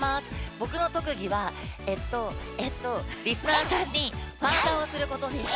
僕の特技はりすなーさんにファンサをすることです。